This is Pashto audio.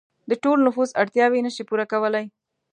د ټول نفوس اړتیاوې نشي پوره کولای.